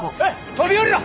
飛び降りろ！